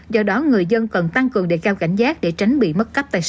do đó người dân cần tăng cường đề cao cảnh giác để tránh bị mất cắp tài sản